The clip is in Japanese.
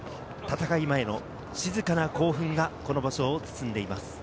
戦い前の静かな興奮がこの場所を包んでいます。